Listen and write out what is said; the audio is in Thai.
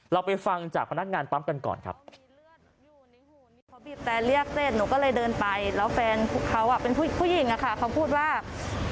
เราไปฟังจากพนักงานปั๊มกันก่อนครับ